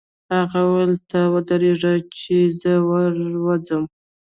هغه وویل: ته ودرېږه چې زه ور ووځم.